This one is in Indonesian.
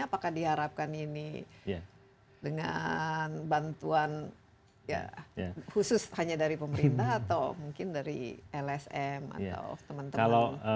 apakah diharapkan ini dengan bantuan khusus hanya dari pemerintah atau mungkin dari lsm atau teman teman